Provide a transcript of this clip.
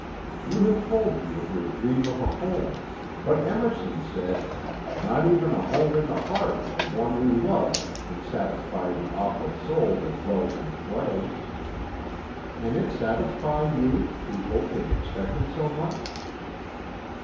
You have told me of your dream of a home, but Emerson said, 'not even a home in the heart of one we love can satisfy the awful soul that dwells in clay.' Can it satisfy you, who hoped and expected so much?"